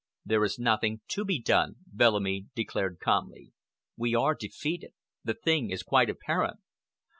"There is nothing to be done," Bellamy declared calmly. "We are defeated. The thing is quite apparent.